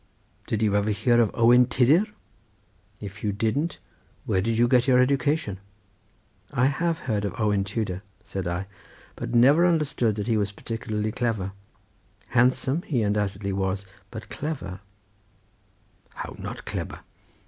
Did you never hear of Owen Tiddir? If you didn't, where did you get your education?" "I have heard of Owen Tudor," said I, "but never understood that he was particularly clever; handsome he undoubtedly was—but clever—" "How not clebber?"